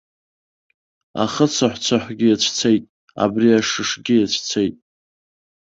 Ахы цаҳәцаҳәгьы иацәцеит, абри ашышгьы иацәцеит.